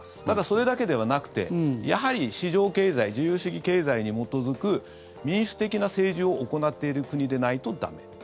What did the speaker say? ただ、それだけではなくて市場経済、自由主義経済に基づく民主的な政治を行っている国でないと駄目。